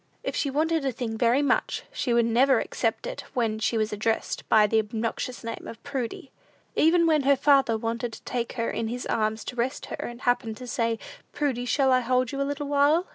If she wanted a thing very much, she would never accept it when she was addressed by the obnoxious name of Prudy. Even when her father wanted to take her in his arms to rest her, and happened to say, "Prudy, shall I hold you a little while?"